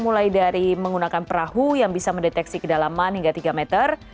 mulai dari menggunakan perahu yang bisa mendeteksi kedalaman hingga tiga meter